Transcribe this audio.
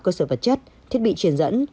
cơ sở vật chất thiết bị truyền dẫn